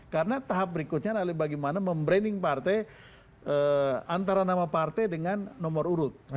karena tahap berikutnya adalah bagaimana membranding partai antara nama partai dengan nomor urut